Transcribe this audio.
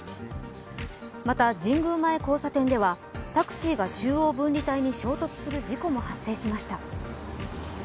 また神宮前交差点ではタクシーが中央分離帯に衝突する事故も発生しました。